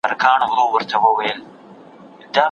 B ګروپ لامبو وهل کولای شي.